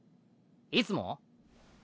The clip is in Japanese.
いつも？